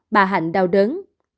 bà hạnh đau đớn